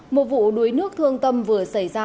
một vụ đuối nước thương tâm vừa xảy ra